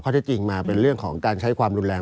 ที่จริงมาเป็นเรื่องของการใช้ความรุนแรง